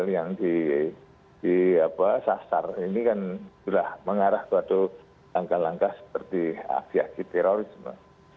ini kan memang mengarah kepada langkah langkah seperti aksi aksi terorisme